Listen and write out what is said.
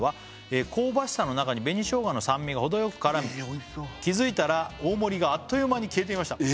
「香ばしさの中に紅ショウガの酸味がほどよく絡み」「気づいたら大盛りがあっという間に消えていました」